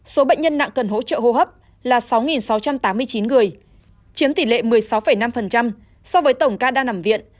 số bệnh nhân nặng cần hỗ trợ hô hấp là sáu sáu trăm tám mươi chín người chiếm tỷ lệ một mươi sáu năm so với tổng ca đang nằm viện